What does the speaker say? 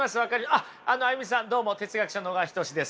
あっＡＹＵＭＩさんどうも哲学者の小川仁志です。